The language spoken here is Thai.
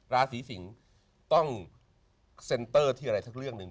ราศีสิงศ์ต้องเซ็นเตอร์ที่อะไรสักเรื่องหนึ่ง